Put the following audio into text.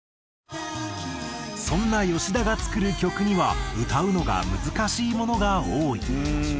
そんな吉田が作る曲には歌うのが難しいものが多い。